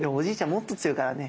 もっと強いからね。